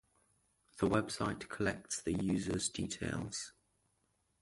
The website collects the user's details